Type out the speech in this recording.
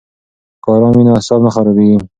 که آرام وي نو اعصاب نه خرابیږي.